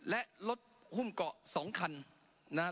และรถหุ้มเกาะ๒คันนะครับ